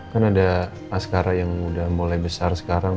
kan ada askara yang udah mulai besar sekarang